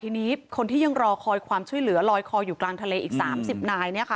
ทีนี้คนที่ยังรอคอยความช่วยเหลือลอยคออยู่กลางทะเลอีก๓๐นาย